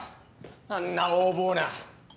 あんな横暴な。